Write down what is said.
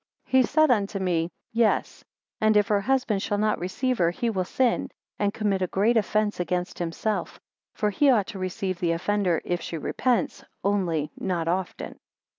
He said unto me, Yes; and if her husband shall not receive her, he will sin, and commit a great offence against himself; for he ought to receive the offender, if she repents: only not often.